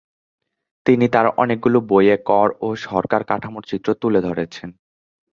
তিনি তার অনেকগুলো বইয়ে কর ও সরকার কাঠামোর চিত্র তুলে ধরেছেন।